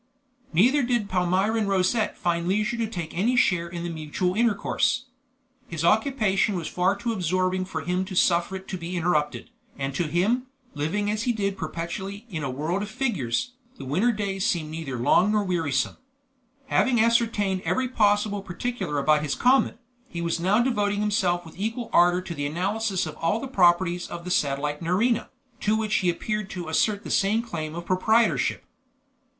Neither did Palmyrin Rosette find leisure to take any share in the mutual intercourse. His occupation was far too absorbing for him to suffer it to be interrupted, and to him, living as he did perpetually in a world of figures, the winter days seemed neither long nor wearisome. Having ascertained every possible particular about his comet, he was now devoting himself with equal ardor to the analysis of all the properties of the satellite Nerina, to which he appeared to assert the same claim of proprietorship.